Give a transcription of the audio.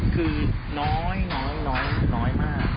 คือน้อยน้อยมาก